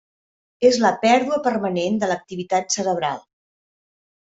És la pèrdua permanent de l’activitat cerebral.